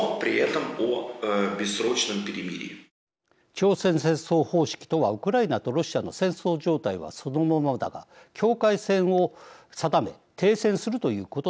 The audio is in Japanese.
朝鮮戦争方式とはウクライナとロシアの戦争状態はそのままだが境界線を定め停戦するということです。